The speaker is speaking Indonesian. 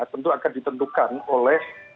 tentu akan ditentukan oleh